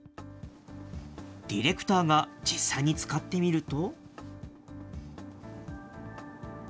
ディレクターが実際に使ってみると。